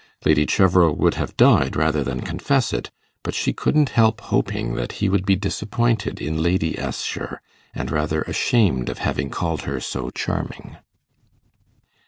Lady Cheverel would have died rather than confess it, but she couldn't help hoping that he would be disappointed in Lady Assher, and rather ashamed of having called her so charming.